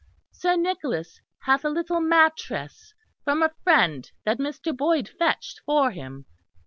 Sir Nicholas hath a little mattress from a friend that Mr. Boyd fetched for him.